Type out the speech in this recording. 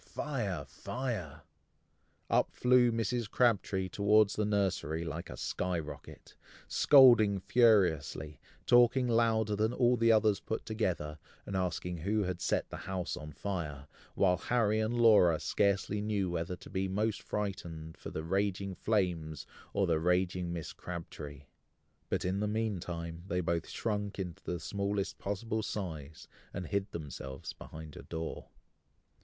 fire! fire!" Up flew Mrs. Crabtree towards the nursery like a sky rocket, scolding furiously, talking louder than all the others put together, and asking who had set the house on fire, while Harry and Laura scarcely knew whether to be most frightened for the raging flames, or the raging Mrs. Crabtree; but, in the meantime, they both shrunk into the smallest possible size, and hid themselves behind a door.